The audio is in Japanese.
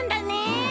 うん。